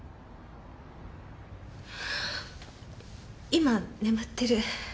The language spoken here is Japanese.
今眠ってる。